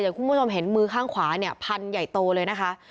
คุณผู้ชมเห็นมือข้างขวาเนี่ยพันใหญ่โตเลยนะคะ